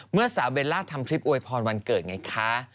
เมื่อสาวเบลล่าทำคลิปอวยพรวันเกิดไงคะ